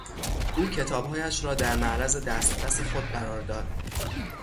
او کتابهایش را در معرض دسترس خود قرار داد.